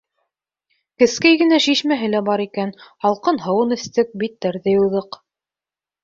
Кескәй кенә шишмәһе лә бар икән. һалҡын һыуын эстек, биттәрҙе йыуҙыҡ.